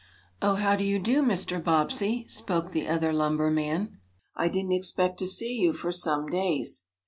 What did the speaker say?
"Oh, how do you do, Mr. Bobbsey," spoke the other lumber man. "I didn't expect to see you for some days."